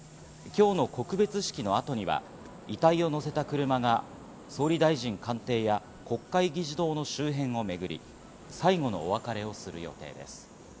今日の告別式の後には遺体を乗せた車が総理大臣官邸や、国会議事堂の周辺をめぐり、最後のお別れをする予定です。